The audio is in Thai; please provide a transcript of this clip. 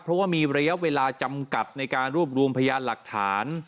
เพราะว่ามีระยะเวลาจำกัดในการรวบรวมพยานหลักฐาน